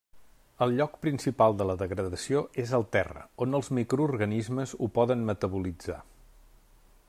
El lloc principal de la degradació és el terra, on els microorganismes ho poden metabolitzar.